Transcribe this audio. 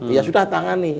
ya sudah tangani